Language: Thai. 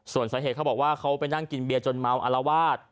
ส่วนสาเหตุเขาบอกว่าเขาไปนั่งกินเบียร์จนเมาอารวาส